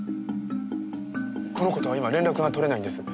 この子とは今連絡が取れないんです。